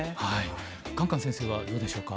カンカン先生はどうでしょうか。